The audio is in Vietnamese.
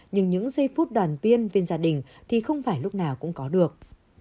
nhưng những giây phút đoàn viên bên gia đình thì không phải lúc nào cũng có được